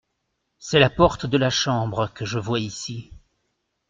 C’est la porte de la chambre que je vois ici.